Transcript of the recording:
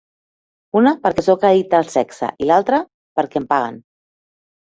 Una, perquè sóc addicta al sexe, i l'altra perquè em paguen.